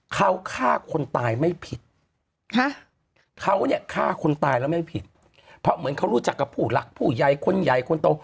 เขาฆ่าคนตายไม่ผิดเขาเนี่ยฆ่าคนตายแล้วไม่ผิดเพราะเหมือนเขารู้จักกับผู้หลักผู้ใหญ่คนใหญ่คนโต